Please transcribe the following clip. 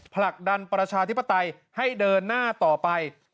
ผลักดันประชาธิปไตยให้เดินหน้าต่อไป